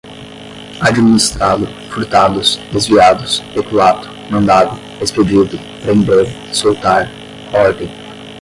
administrado, furtados, desviados, peculato, mandado, expedido, prender, soltar, ordem